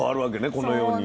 このように。